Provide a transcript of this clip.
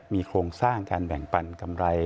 มีโครงสร้างการแบ่งปันกำไร